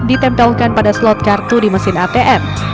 ditempelkan pada slot kartu di mesin atm